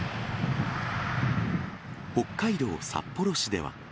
北海道札幌市では。